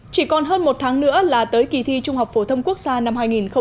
chỉ còn hơn một tháng nữa là tới kỳ thi trung học phổ thông quốc gia năm hai nghìn một mươi tám